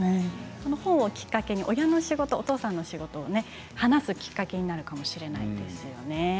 この本をきっかけに親のお仕事、お父さんの仕事を話すきっかけになるかもしれないですよね。